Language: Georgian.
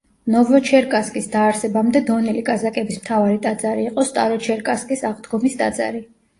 ნოვოჩერკასკის დაარსებამდე დონელი კაზაკების მთავარი ტაძარი იყო სტაროჩერკასკის აღდგომის ტაძარი.